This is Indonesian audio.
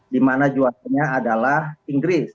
dimana juasanya adalah inggris